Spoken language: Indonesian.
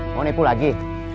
mau neku lagi